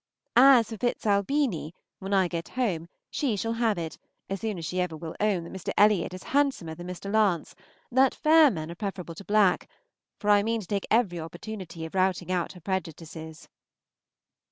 As for "Fitzalbini," when I get home she shall have it, as soon as ever she will own that Mr. Elliott is handsomer than Mr. Lance, that fair men are preferable to black; for I mean to take every opportunity of rooting out her prejudices.